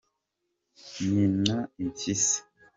ntinya impyisi.